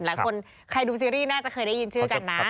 ใครดูซีรีส์น่าจะเคยได้ยินชื่อกันนะ